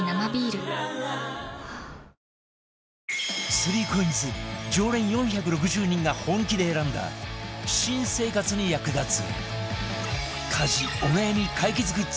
３ＣＯＩＮＳ 常連４６０人が本気で選んだ新生活に役立つ家事お悩み解決グッズ